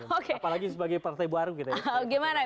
apalagi sebagai partai baru kita ya